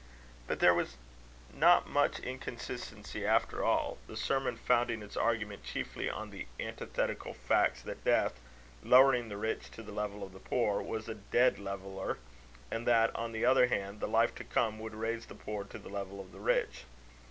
But there was not much inconsistency, after all; the sermon founding its argument chiefly on the antithetical facts, that death, lowering the rich to the level of the poor, was a dead leveller; and that, on the other hand, the life to come would raise the poor to the level of the rich.